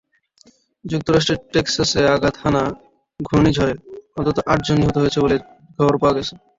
যুক্তরাষ্ট্রের টেক্সাসে আঘাত হানা ঘূর্ণিঝড়ে অন্তত আটজন নিহত হয়েছে বলে খবর পাওয়া গেছে।